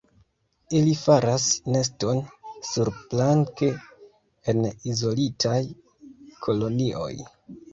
Ili faras neston surplanke en izolitaj kolonioj.